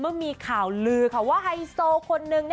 เมื่อมีข่าวลือค่ะว่าไฮโซคนนึง